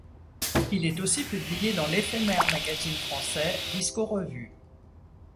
Il est aussi publié dans l'éphémère magazine français Disco Revue.